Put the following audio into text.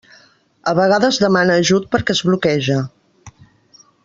A vegades demana ajut perquè es bloqueja.